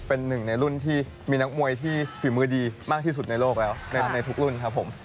เป็นหนึ่งในรุ่นที่มีนักมวยที่ฝีมือดีมากที่สุดในโลกแล้วในทุกรุ่นครับผม